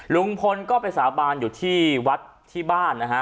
ลุงพลก็ไปสาบานอยู่ที่วัดที่บ้านนะฮะ